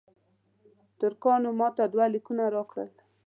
ترکانو ماته دوه لیکونه راکړل.